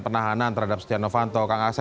penahanan terhadap setia novanto kang asep